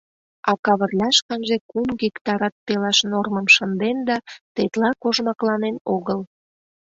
А Кавырля шканже кум гектарат пелаш нормым шынден да тетла кожмакланен огыл.